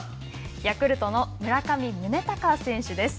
ヤクルトの村上宗隆選手です。